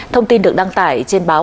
thông tin được đăng tải trên báo